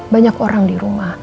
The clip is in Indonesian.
banyak orang di rumah